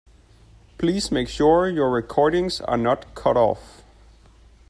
Please make sure your recordings are not cut off.